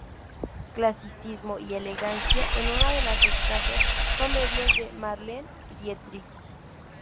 Clasicismo y elegancia en una de las escasas comedias de Marlene Dietrich.